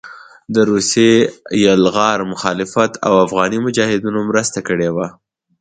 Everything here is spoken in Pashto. د روسي يلغار مخالفت او افغاني مجاهدينو مرسته کړې وه